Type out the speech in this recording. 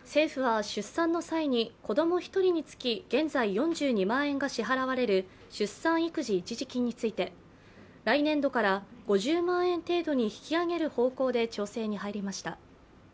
政府は出産の際に子供１人につき現在４２万円が支払われる出産育児一時金について来年度から５０万円程度に引き上げる方向で調整に入りました。